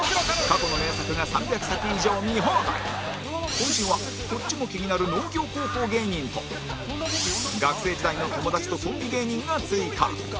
今週はこっちも気になる農業高校芸人と学生時代の友達とコンビ芸人が追加